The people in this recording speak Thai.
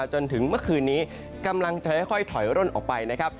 จนถึงเมื่อคืนนี้กำลังจะค่อยถอยร่นออกไปนะครับ